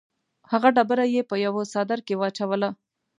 هغه ډبره یې په یوه څادر کې واچوله.